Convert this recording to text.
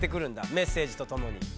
メッセージと共に。